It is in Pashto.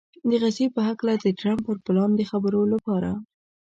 د غزې په هکله د ټرمپ پر پلان د خبرو لپاره